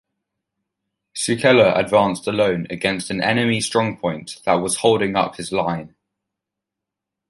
Cukela advanced alone against an enemy strong point that was holding up his line.